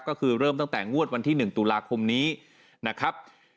ก็คือเริ่มตั้งแต่งวดวันที่๑ตุลาคมนี้นะครับ